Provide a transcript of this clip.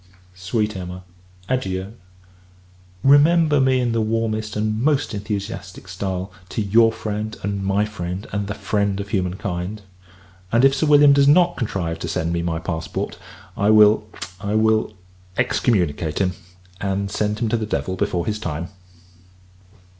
Sweet Emma, adieu! Remember me in the warmest and most enthusiastic stile, to your friend, and my friend, and the friend of human kind. If Sir William does not contrive to send me my passport, I will I will excommunicate him, and send him to the devil before his time.